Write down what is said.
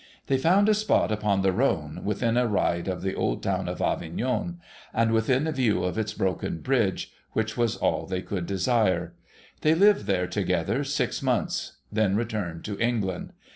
They found a spot upon the Rhone, within a ride of the old town of Avignon, and within view of its broken bridge, which was all they could desire ; they lived there, together, six months ; then returned to England.